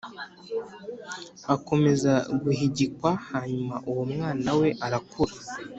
akomeza guhigikwa Hanyuma uwo mwana we arakura